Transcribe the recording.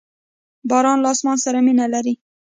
باز له اسمان سره مینه لري